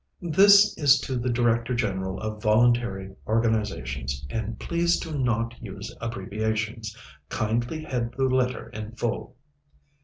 "This is to the Director General of Voluntary Organizations, and please do not use abbreviations. Kindly head the letter in full."